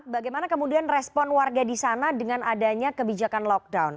bagaimana kemudian respon warga di sana dengan adanya kebijakan lockdown